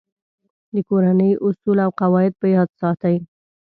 د کورنۍ اصول او قواعد په یاد ساتئ.